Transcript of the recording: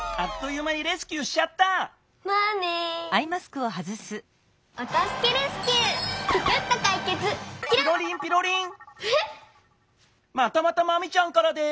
またまたマミちゃんからです。